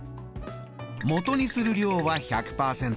もとにする量は１００％。